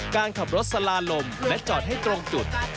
การขับรถสลาลมและจอดให้ตรงจุด